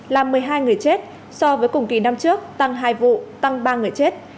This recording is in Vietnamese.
làm một mươi hai người chết so với cùng kỳ năm trước tăng hai vụ tăng ba người chết